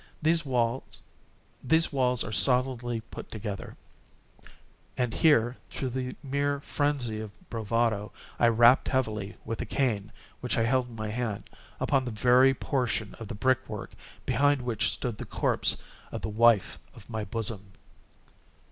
—these walls are solidly put together;" and here, through the mere phrenzy of bravado, I rapped heavily, with a cane which I held in my hand, upon that very portion of the brick work behind which stood the corpse of the wife of my bosom.